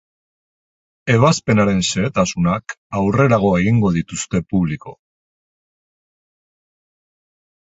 Ebazpenaren xehetasunak aurrerago egingo dituzte publiko.